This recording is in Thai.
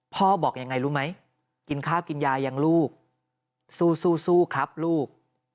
บอกยังไงรู้ไหมกินข้าวกินยายังลูกสู้ครับลูก